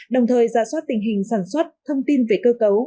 đồng thời ra soát tình hình sản xuất thông tin về cơ cấu